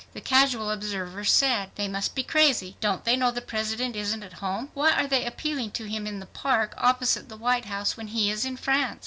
The casual observer said, "They must be crazy. Don't they know the President isn't at home? Why are they appealing to him in the park opposite the White House when he is in France?"